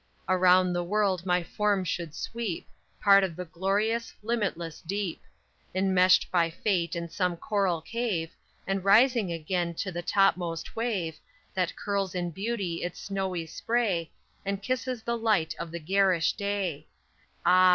_ _Around the world my form should sweep Part of the glorious, limitless deep; Enmeshed by fate in some coral cave, And rising again to the topmost wave, That curls in beauty its snowy spray And kisses the light of the garish day; Ah!